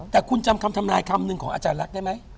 แต่คุณจำคำทำนายคำหนึ่งของอาจารย์ลักษณ์ได้ไหม